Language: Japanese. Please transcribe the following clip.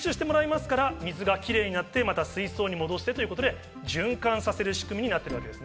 吸収してもらいますから、水がキレイになってまた水槽に戻してということで循環させる仕組みになっています。